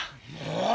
もう！